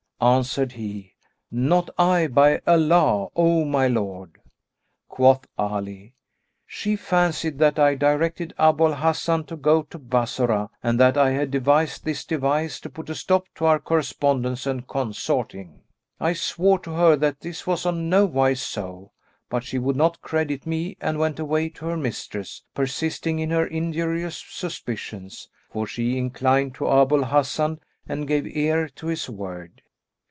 Answered he, "Not I, by Allah, O my lord!" Quoth Ali, "She fancied that I directed Abu al Hasan to go to Bassorah and that I had devised this device to put a stop to our correspondence and consorting. I swore to her that this was on nowise so; but she would not credit me and went away to her mistress, persisting in her injurious suspicions; for she inclined to Abu al Hasan and gave ear to his word."